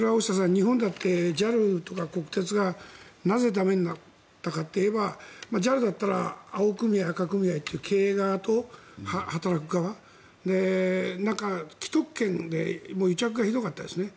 日本だってＪＡＬとか国鉄がなぜ、駄目になったかといえばＪＡＬだったら青組合、赤組合という経営側と働く側既得権で癒着がひどかったですね。